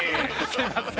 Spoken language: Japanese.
◆すいません。